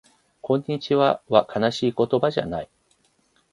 こんにちはは悲しい言葉じゃない